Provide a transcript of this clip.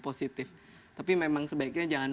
positif tapi memang sebaiknya jangan